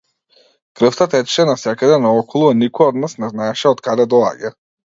Крвта течеше насекаде наоколу, а никој од нас не знаеше од каде доаѓа.